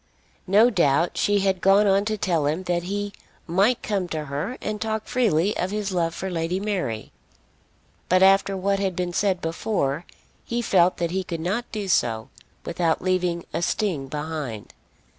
No doubt she had gone on to tell him that he might come to her and talk freely of his love for Lady Mary, but after what had been said before, he felt that he could not do so without leaving a sting behind.